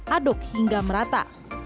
aduk hingga merata